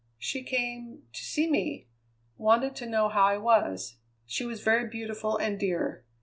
"She came to see me; wanted to know how I was. She was very beautiful and dear.